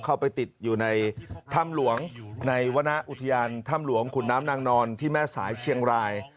เข้าไปติดอยู่ในถ้ำหลวงในวรรณอุทยานถ้ำหลวงขุนน้ำนางนอนที่แม่สายเชียงราย